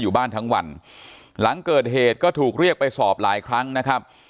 อยู่บ้านทั้งวันหลังเกิดเหตุก็ถูกเรียกไปสอบหลายครั้งนะครับ